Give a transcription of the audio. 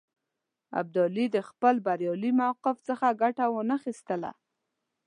ابدالي د خپل بریالي موقف څخه ګټه وانه خیستله.